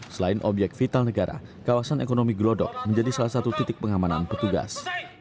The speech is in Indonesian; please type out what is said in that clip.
selain obyek vital negara kawasan ekonomi glodok menjadi salah satu titik pengamanan petugas